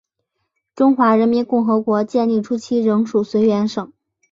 中华人民共和国建立初期仍属绥远省。